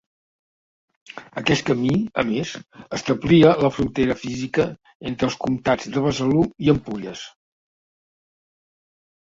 Aquest camí, a més, establia la frontera física entre els comtats de Besalú i Empúries.